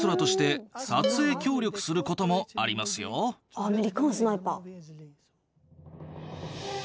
「アメリカン・スナイパー」。